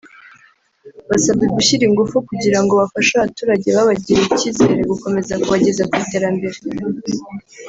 basabwe gushyira ingufu kugira ngo bafashe abaturage babagiriye icyizere gukomeza kubageza ku iterambere